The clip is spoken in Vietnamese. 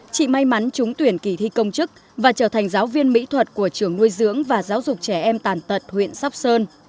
chị may mắn trúng tuyển kỳ thi công chức và trở thành giáo viên mỹ thuật của trường nuôi dưỡng và giáo dục trẻ em tàn tật huyện sóc sơn